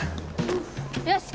よし。